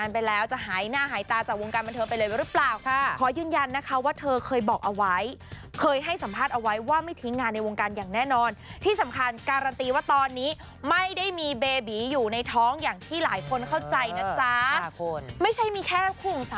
เธอไปเลยหรือเปล่าค่ะขอยืนยันนะคะว่าเธอเคยบอกเอาไว้เคยให้สัมภาษณ์เอาไว้ว่าไม่ทิ้งงานในวงการอย่างแน่นอนที่สำคัญการันตีว่าตอนนี้ไม่ได้มีเบบีอยู่ในท้องอย่างที่หลายคนเข้าใจนะจ๊ะค่ะคุณไม่ใช่มีแค่คู่หนึ่งสาม